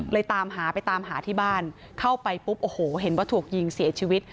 ตามหาไปตามหาที่บ้านเข้าไปปุ๊บโอ้โหเห็นว่าถูกยิงเสียชีวิต